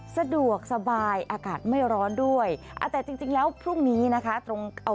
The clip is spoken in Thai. สะดวกสบายอากาศไม่ร้อนด้วยแต่จริงแล้วพรุ่งนี้นะคะตรงเอา